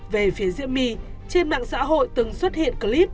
về phía diễm my trên mạng xã hội từng xuất hiện clip